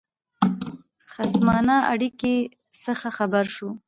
خصمانه اړېکو څخه خبر شو.